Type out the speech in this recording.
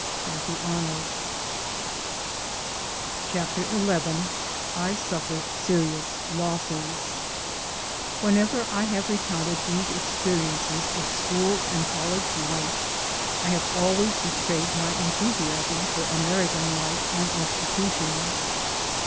Matthew Arnold. CHAPTER XI I SUFFEE SEEIOUS LOSSES WHENEVER I have recounted these experiences of school and college life, I have always betrayed my enthusiasm for American life and institutions.